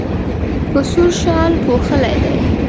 په سور شال پوښلی دی.